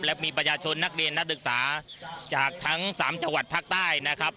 และมีประชาชนนักเรียนนักศึกษาจากทั้ง๓จังหวัดภาคใต้นะครับ